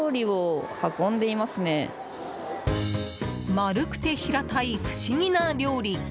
丸くて平たい不思議な料理。